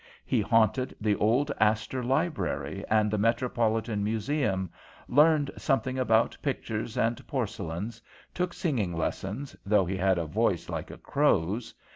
He haunted the old Astor Library and the Metropolitan Museum, learned something about pictures and porcelains, took singing lessons, though he had a voice like a crow's.